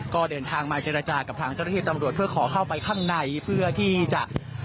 ก็เดินทางมาเจรจากับทางเจ้าหน้าที่ตำรวจเพื่อขอเข้าไปข้างในเพื่อที่จะ